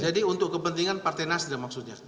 jadi untuk kepentingan partai nasdem maksudnya